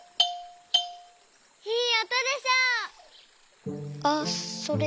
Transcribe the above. いいおとでしょ！